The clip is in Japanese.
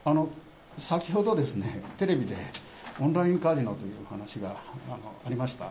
先ほどですね、テレビで、オンラインカジノという話がありました。